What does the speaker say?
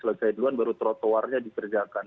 selesai duluan baru trotoarnya dikerjakan